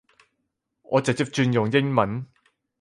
我直接轉用英文